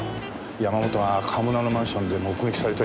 山本が川村のマンションで目撃された以上。